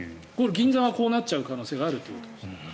銀座がこうなっちゃう可能性があるということです。